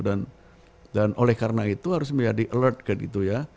dan oleh karena itu harus di alert gitu ya